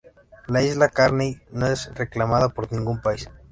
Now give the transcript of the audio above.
La isla Carney no es reclamada por ningún país.